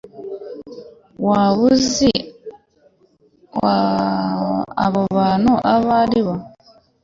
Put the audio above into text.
waba uzi abo bantu abo ari bo